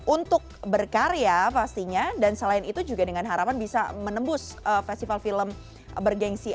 untuk berkarya pastinya dan selain itu juga dengan harapan bisa menembus festival film bergensi